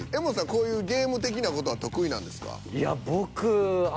こういうゲーム的な事は得意なんですか？